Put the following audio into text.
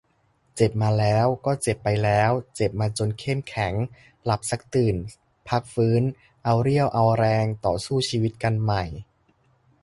เจ็บมาแล้ว ก็เจ็บไปแล้ว เจ็บมาจนเข้มแข็ง. หลับซักตื่น พักฟื้น เอาเรี่ยวเอาแรง ต่อสู้ชีวิตกันใหม่.